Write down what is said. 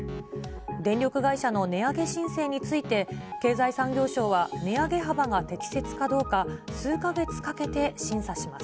電力会社の値上げ申請について、経済産業省は値上げ幅が適切かどうか、数か月かけて審査します。